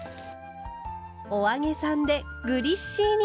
お揚げさんでグリッシーニ風！